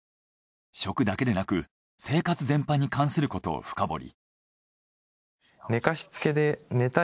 食だけでなく生活全般に関することを深掘り。